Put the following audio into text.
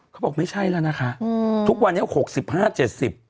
เขาบอกไม่ใช่แล้วนะคะทุกวันนี้๖๕๗๐